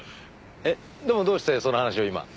えっでもどうしてその話を今？